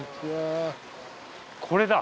これだ。